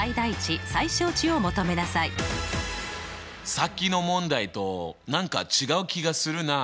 さっきの問題と何か違う気がするなあ。